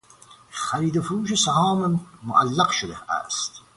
خرید و فروش سهام معلق شده است.